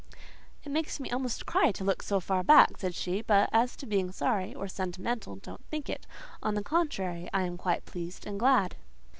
"It makes me almost cry to look so far back," said she: "but as to being sorry, or sentimental, don't think it: on the contrary, I am quite pleased and glad."